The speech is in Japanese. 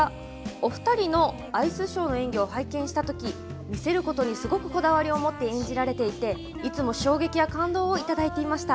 お二人のアイスショーの演技を拝見したとき、見せることにすごくこだわりを持って演じられて、いつも衝撃や感動をいただいてました。